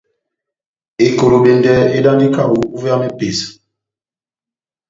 Ekolobendɛ edandi kaho uvé ya mepesa.